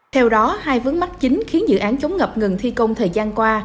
theo đó hai vướng mắt chính khiến dự án chống ngập ngừng thi công thời gian qua